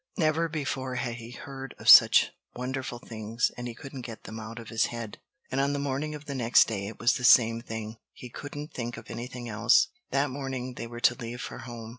Never before had he heard of such wonderful things, and he couldn't get them out of his head. And on the morning of the next day it was the same thing: he couldn't think of anything else. That morning they were to leave for home.